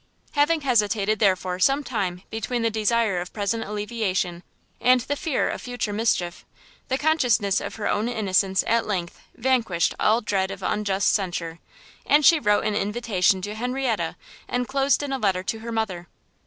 Having hesitated, therefore, some time between the desire of present alleviation, and the fear of future mischief, the consciousness of her own innocence at length vanquished all dread of unjust censure, and she wrote an invitation to Henrietta enclosed in a letter to her mother.